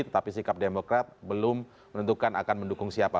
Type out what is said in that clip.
tetapi sikap demokrat belum menentukan akan mendukung siapa